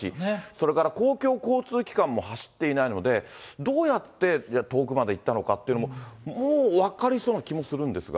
それから公共交通機関も走っていないので、どうやって遠くまで行ったのかというのも、もう分かりそうな気もするんですが。